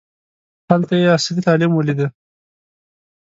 هلته یې عصري تعلیم ولیده.